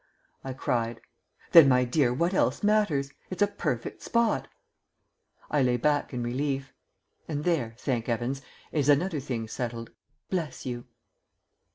I cried. "Then, my dear, what else matters? It's a perfect spot." I lay back in relief. "And there, thank 'evings, is another thing settled. Bless you."